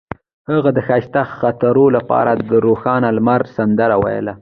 هغې د ښایسته خاطرو لپاره د روښانه لمر سندره ویله.